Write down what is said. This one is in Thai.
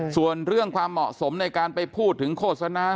ส่วนเรื่องความเหมาะสมในการไปพูดถึงโฆษณา